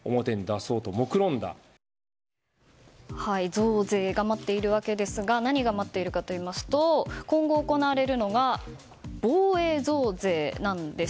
増税が待っているわけですが何が待っているかといいますと今後行われるのが防衛増税なんです。